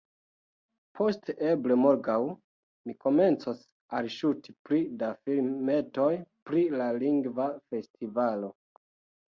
Post eble morgaŭ, mi komencos alŝuti pli da filmetoj pri la Lingva Festivalo.